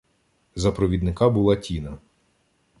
За провідника була Тіна.